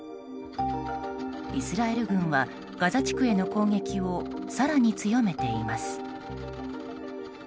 イスラエル軍はガザ地区への攻撃を更に強めています。